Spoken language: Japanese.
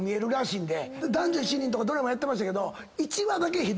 『男女７人』とかドラマやってましたけど。